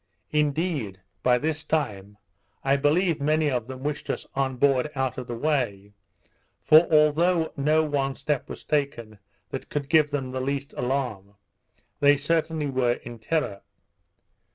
Indeed, by this time, I believe many of them wished us on board out of the way; for although no one step was taken that could give them the least alarm, they certainly were in terror.